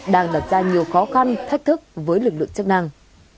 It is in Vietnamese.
đang đặt ra nhiều khó khăn thách thức với lực lượng chức năng